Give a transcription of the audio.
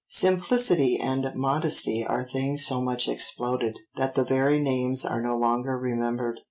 Simplicity and modesty are things so much exploded, that the very names are no longer remembered.